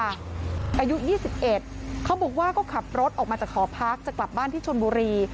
อายุ๒๑เขาบอกว่าก็ขับรถออกมาจากหอพักจะกลับบ้านที่ชนบุรี